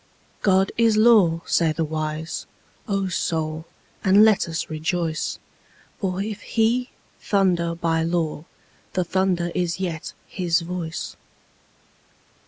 God is law, say the wise; O Soul, and let us rejoice, For if He thunder by law the thunder is yet His voice.